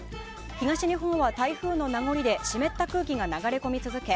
東日本は台風の名残で湿った空気が流れ続け